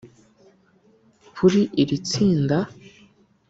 Kuri iri tsinda